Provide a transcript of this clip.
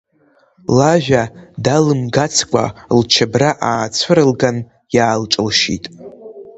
Лажәа далымгацкәа, лчабра аацәырылган, иаалҿылшьит.